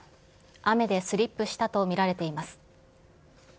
雨でスリップしたと見られています。